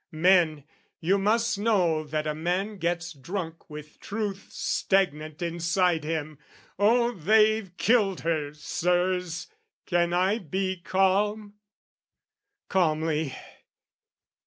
Men, You must know that a man gets drunk with truth Stagnant inside him! Oh, they've killed her, Sirs! Can I be calm? Calmly!